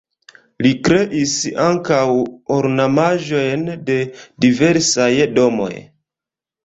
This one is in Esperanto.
Li kreis ankaŭ ornamaĵojn de diversaj domoj.